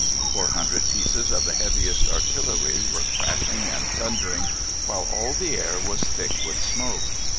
Four hundred pieces of the heaviest artillery were crashing and thundering, while all the air was thick with smoke.